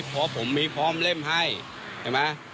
เพราะผมมีพร้อมเล่มให้ใช่ไหม